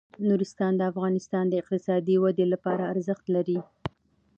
نورستان د افغانستان د اقتصادي ودې لپاره ارزښت لري.